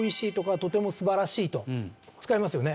と使いますよね。